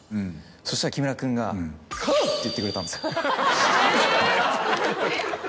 そしたら木村君が。って言ってくれたんです。